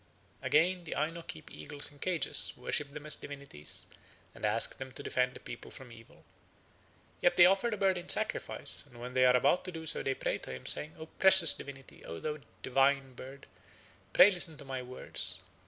Again, the Aino keep eagles in cages, worship them as divinities, and ask them to defend the people from evil. Yet they offer the bird in sacrifice, and when they are about to do so they pray to him, saying: "O precious divinity, O thou divine bird, pray listen to my words.